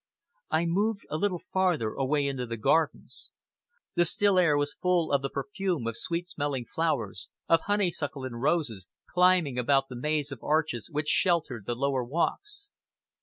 I moved a little farther away into the gardens. The still air was full of the perfume of sweet smelling flowers, of honeysuckle and roses, climbing about the maze of arches which sheltered the lower walks.